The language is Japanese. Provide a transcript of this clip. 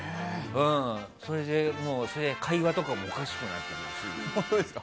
それで、会話とかもおかしくなってくるし。